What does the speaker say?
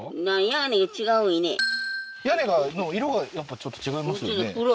屋根の色がやっぱちょっと違いますよね